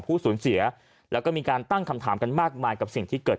สูญเสียแล้วก็มีการตั้งคำถามกันมากมายกับสิ่งที่เกิด